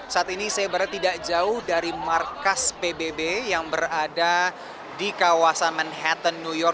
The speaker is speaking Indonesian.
saat ini saya berada tidak jauh dari markas pbb yang berada di kawasan manhattan new york